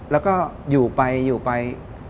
แล้วก็อยู่ไปอยู่ไป